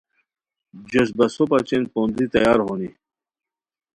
جوش بسو بچین پوندی تیار ہونی